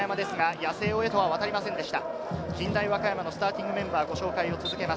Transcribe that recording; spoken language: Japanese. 八瀬尾へとは渡りませんでした。